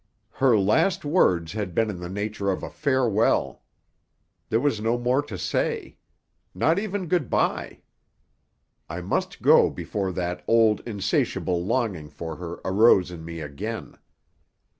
Her last words had been in the nature of a farewell. There was no more to say. Not even good bye. I must go before that old, insatiable longing for her arose in me again.